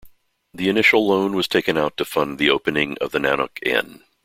The initial loan was taken out to fund the opening of the Nanuq Inn.